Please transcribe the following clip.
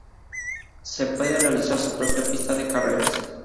Se puede realizar su propia pista de carreras.